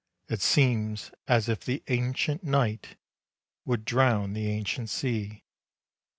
It seems as if the ancient night Would drown the ancient sea.